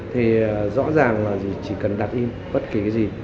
thì rõ ràng là chỉ cần đặt in bất kỳ cái gì